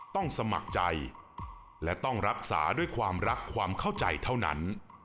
ต้องสมัครใจและต้องรักษาด้วยความรักความเข้าใจเท่านั้น